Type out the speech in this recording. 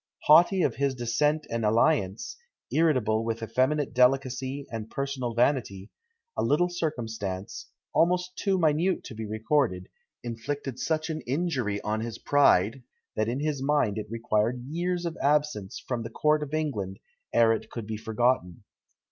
Haughty of his descent and alliance, irritable with effeminate delicacy and personal vanity, a little circumstance, almost too minute to be recorded, inflicted such an injury on his pride, that in his mind it required years of absence from the court of England ere it could be forgotten.